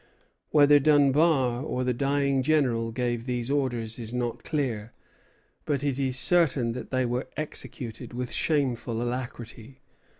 Whether Dunbar or the dying General gave these orders is not clear; but it is certain that they were executed with shameful alacrity.